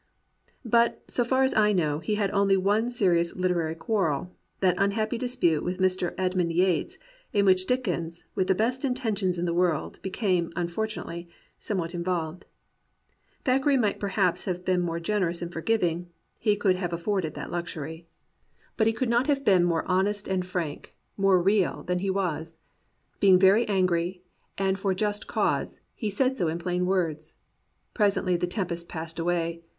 But, so far as I know, he had only one serious literary quarrel — that unhappy dispute with Mr. Edmund Yates, in which Dickens, with the best intentions in the world, became, unfor tunately, somewhat involved. Thackeray might perhaps have been more generous and forgiving — he could have afforded that luxury. But he could not 109 COMPANIONABLE BOOKS have been more honest and frank, more real, than he was. Being very angry, and for a just cause, he said so in plain words. Presently the tempest passed away.